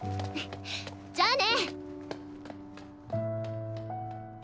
じゃあね！